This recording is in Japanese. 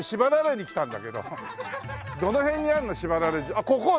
あっここ？